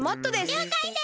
りょうかいです！